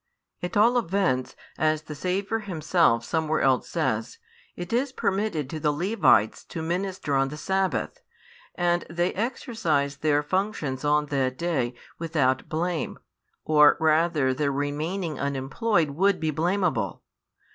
At all events, as the Saviour Himself somewhere else says, it is permitted to the Levites to minister on the sabbath, and they exercise their functions on that day without blame, or rather their remaining unemployed would be blamable.